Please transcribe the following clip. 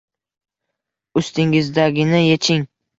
Ustingizdagini yeching.